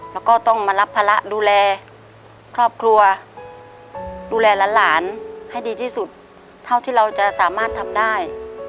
แล้วก็ต้องมารับภาระดูแลครอบครัวดูแลหลานให้ดีที่สุดเท่าที่เราจะสามารถทำได้